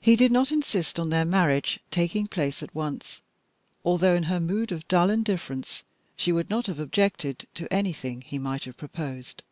He did not insist on their marriage taking place at once, although in her mood of dull indifference she would not have objected to anything he might have proposed.